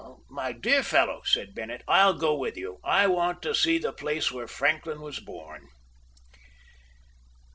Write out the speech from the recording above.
"My dear fellow," said Bennett, "I'll go with you. I want to see the place where Franklin was born."